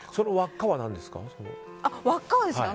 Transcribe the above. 輪っかは何ですか？